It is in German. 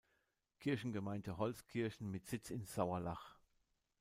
Kirchengemeinde Holzkirchen mit Sitz in Sauerlach.